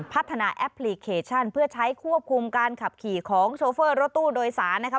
พัฒนาแอปพลิเคชันเพื่อใช้ควบคุมการขับขี่ของโชเฟอร์รถตู้โดยสารนะคะ